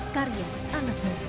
dan mengembangkan karya anak muda